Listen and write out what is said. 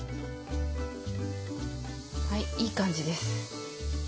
はいいい感じです。